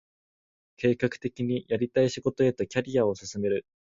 計画的にやりたい仕事へとキャリアを進める